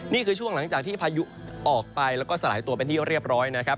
นี่คือช่วงหลังจากที่พายุออกไปแล้วก็สลายตัวเป็นที่เรียบร้อยนะครับ